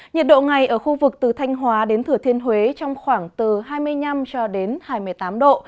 nhiệt độ ngày ở khu vực từ thanh hóa đến thừa thiên huế trong khoảng từ hai mươi năm cho đến hai mươi tám độ